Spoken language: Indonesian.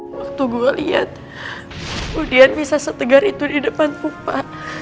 waktu gue lihat udian bisa setegar itu di depan pupa